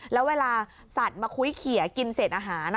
แล้วเวลาสัตว์มาคุ้ยเขียกินเศษอาหาร